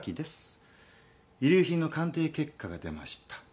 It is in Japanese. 遺留品の鑑定結果が出ました。